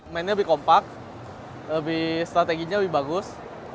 mainnya lebih kompak lebih strateginya lebih bagus